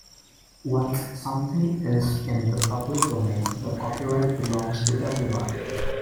Once something is in the public domain, the copyright belongs to everyone.